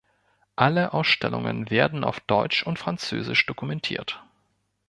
Alle Ausstellungen werden auf deutsch und französisch dokumentiert.